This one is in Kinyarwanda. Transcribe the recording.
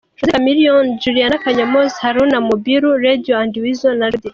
Jose Chameleone, Julian Kanyonmozi, Haruna Mubiru, Radio&Weasel, Judith